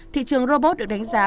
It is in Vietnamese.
thị trường robot được đánh giá